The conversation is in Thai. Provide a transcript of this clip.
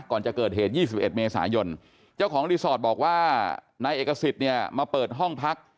ก่อนจะเกิดเหตุ๒๑เมษายนเจ้าของรีสอร์ทบอกว่านายเอกสิทธิ์เนี่ยมาเปิดห้องพัก